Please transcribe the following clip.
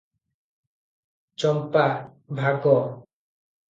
ଚମ୍ପା - ଭାଗ?